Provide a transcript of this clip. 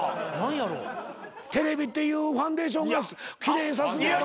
テレビっていうファンデーションが奇麗にさすんやろ？